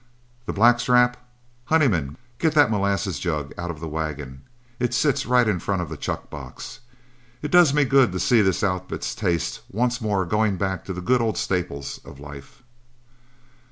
The black strap? Honeyman, get that molasses jug out of the wagon it sits right in front of the chuck box. It does me good to see this outfit's tastes once more going back to the good old staples of life."